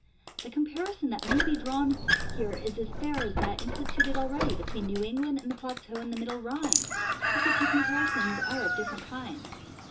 The comparison that may be drawn here is as fair as that instituted already between New England and the plateau of the middle Rhine, but the two comparisons are of different kinds.